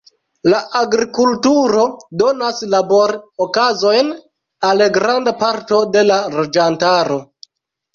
La agrikulturo donas labor-okazojn al granda parto de la loĝantaro.